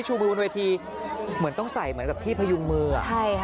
ใช่ค่ะเหมือนปลอบพยุงมือ